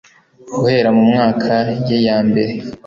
guhera mu mvaka ye ya mbere,